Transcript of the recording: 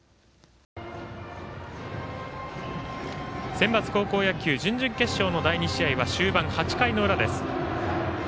センバツ高校野球準々決勝の第２試合は終盤、８回の裏です。